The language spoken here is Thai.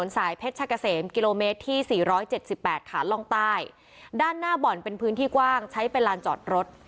เพชรชะกะเสมกิโลเมตรที่สี่ร้อยเจ็ดสิบแปดขาล่องใต้ด้านหน้าบ่อนเป็นพื้นที่กว้างใช้เป็นลานจอดรถ